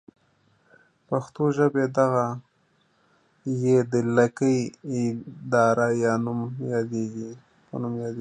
د پښتو ژبې دغه ۍ د لکۍ داره یا په نوم یادیږي.